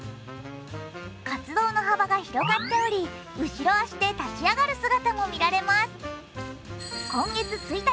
活動の幅が広がっており後ろ足で立ち上がる姿も見られます。